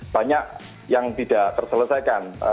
banyak yang tidak terselesaikan